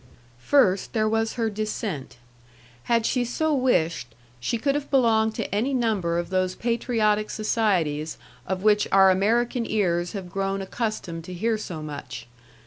First, there was her descent. Had she so wished, she could have belonged to any number of those patriotic societies of which our American ears have grown accustomed to hear so much.